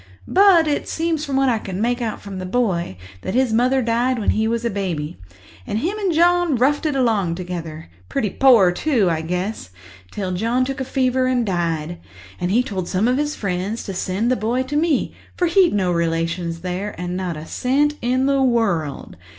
But it seems from what I can make out from the boy, that his mother died when he was a baby, and him and John roughed it along together—pretty poor, too, I guess—till John took a fever and died. And he told some of his friends to send the boy to me, for he'd no relations there and not a cent in the world.